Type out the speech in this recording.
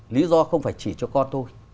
lý do không phải chỉ cho con tôi